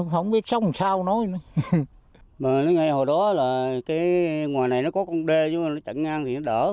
không biết sống sao nữa ngày hồi đó là cái ngoài này nó có con đê chứ nó chặn ngang thì nó đỡ